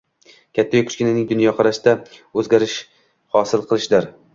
katta-yu kichikning dunyoqarashida o‘zgarish hosil qilishdir.